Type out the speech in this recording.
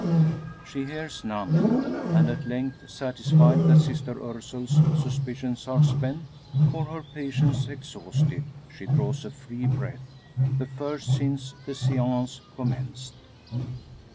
She hears none; and at length satisfied that Sister Ursule's suspicions are spent, or her patience exhausted, she draws a free breath the first since the seance commenced.